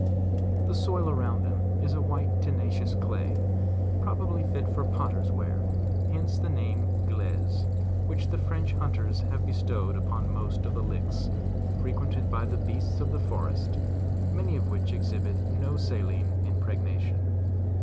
The soil around them is a white, tenacious clay, probably fit for potters* ware: hence the name of 'glaise,' which the French hunters have bestow ed upon most of the licks, frequented by the beasts of the forest, many of which exhibit no saline impregnation.